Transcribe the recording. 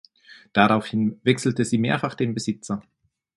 Daraufhin wechselte sie mehrfach den Besitzer.